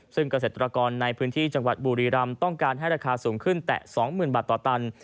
ซึ่งเกษตรกรในพื้นที่จังหวัดบุรีรำต้องการให้ราคาสูงขึ้นแต่๒๐๐๐บาทต่อตัน